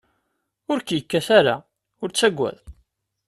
Ur k-yekkat ara, ur ttaggad.